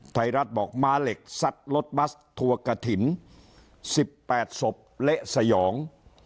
ไทยรัฐบอกมาเหล็กสัตว์รถบัสถั่วกะถิ่น๑๘ศพเละสยอง